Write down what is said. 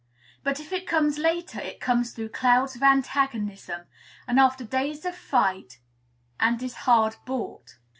But, if it comes later, it comes through clouds of antagonism, and after days of fight, and is hard bought.